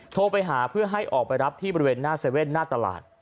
โทรไปหาเพื่อให้ออกไปรับที่บริเวณหน้าเว่นหน้าตลาด